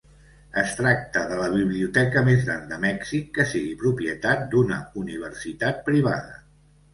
Es tracta de la biblioteca més gran de Mèxic que sigui propietat d'una universitat privada.